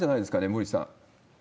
森内さん。